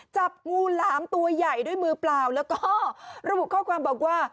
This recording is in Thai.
จับงูหลามตัวใหญ่ด้วยมือเปล่าแล้วก็ระบุข้อความบอกว่า